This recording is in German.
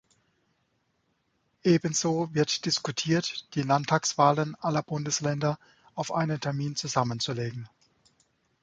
Ebenso wird diskutiert, die Landtagswahlen aller Bundesländer auf einen Termin zusammenzulegen.